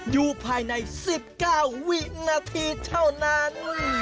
อยู่ภายใน๑๙วินาทีเท่านั้น